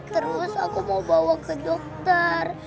terus aku mau bawa ke dokter